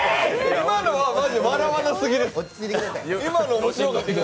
今のは笑わなすぎです。